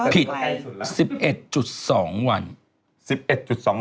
พิษใกล้สุดละพิษ๑๑๒วัน